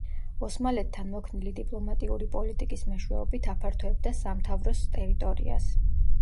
ოსმალეთთან მოქნილი დიპლომატიური პოლიტიკის მეშვეობით აფართოებდა სამთავროს ტერიტორიას.